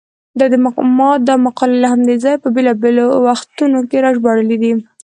ما دا مقالې له همدې ځایه په بېلابېلو وختونو کې راژباړلې دي.